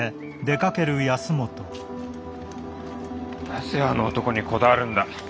なぜあの男にこだわるんだ？